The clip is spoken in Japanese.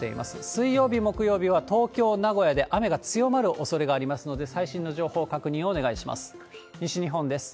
水曜日、木曜日は東京、名古屋で雨が強まるおそれがありますので、最新の情報、確認をお願いします。